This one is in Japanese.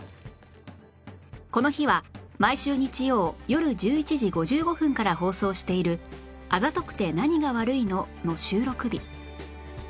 この日は毎週日曜よる１１時５５分から放送している『あざとくて何が悪いの？』の収録日